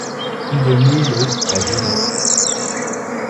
Il est né le à Zurich.